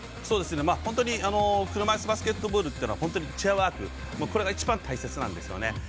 本当に車いすバスケットボールというのはチェアワーク、これが一番大切なんですよね。